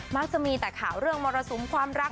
มักจะมีแต่ข่าวเรื่องมรสุมความรัก